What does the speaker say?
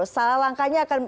salah langkahnya akan